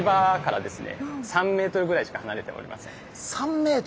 ３ｍ？